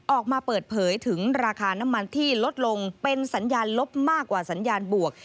ออกมาเปิดเผยถึงราคาน้ำมันที่ลดลงเป็นสัญญาณลบมากกว่าสัญญาณบวก